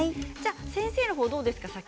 先生の方はどうですか？